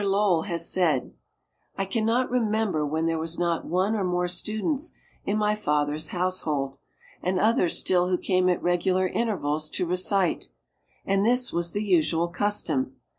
Lowell has said: "I can not remember when there was not one or more students in my father's household, and others still who came at regular intervals to recite. And this was the usual custom.